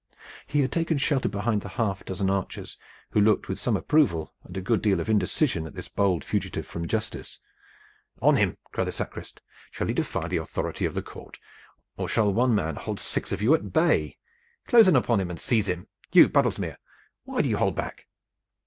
He had taken shelter behind the half dozen archers, who looked with some approval and a good deal of indecision at this bold fugitive from justice. "On him!" cried the sacrist. "Shall he defy the authority of the court, or shall one man hold six of you at bay? Close in upon him and seize him. You, Baddlesmere, why do you hold back?"